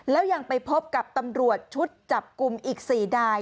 แล้วยังไปพบกับตำรวจชุดจับกลุ่มอีก๔นาย